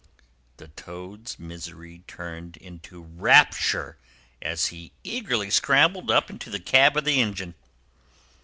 The Toad's misery turned into rapture as he eagerly scrambled up into the cab of the engine.